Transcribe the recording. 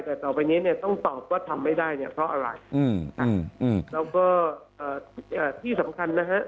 แต่ต่อไปนี้เนี่ยต้องตอบว่าทำไม่ได้เนี่ยเพราะอะไรแล้วก็ที่สำคัญนะฮะ